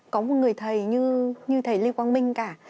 có một người thầy như thầy lê quang minh cả